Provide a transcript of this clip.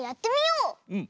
うん。